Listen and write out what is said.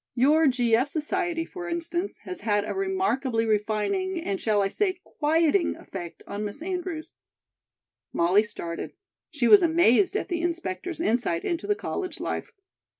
Your G. F. Society, for instance, has had a remarkably refining and, shall I say, quieting effect on Miss Andrews " Molly started. She was amazed at the inspector's insight into the college life.